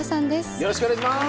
よろしくお願いします。